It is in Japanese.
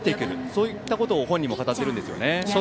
そういったことを本人も語っているんですよね。